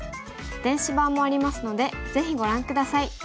電子版もありますのでぜひご覧下さい。